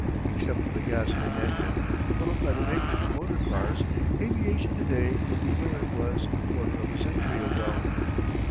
Except for the gasoline engine, developed by the makers of motor cars, aviation to day would be where it was a quarter of a century ago.